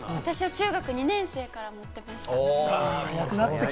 中学２年生から持ってました。